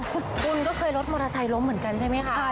คุณบุญก็เคยรถมอเตอร์ไซคล้มเหมือนกันใช่ไหมคะ